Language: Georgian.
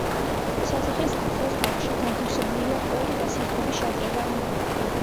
სასახლის ახლოს ბაღში განთავსებულია ორი გასართობი შადრევანი.